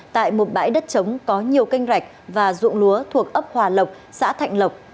tại một bãi đất trống có nhiều canh rạch và ruộng lúa thuộc ấp hòa lộc xã thạnh lộc